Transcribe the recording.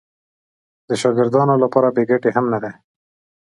د شاګردانو لپاره بې ګټې هم نه دي.